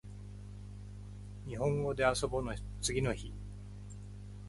にほんごであそぼの次の日